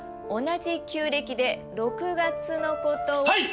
同じ旧暦で６月のことを。